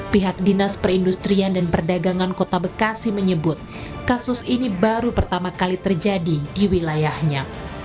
pihak dinas perindustrian dan perdagangan kota bekasi menyebut kasus ini baru pertama kali terjadi di wilayahnya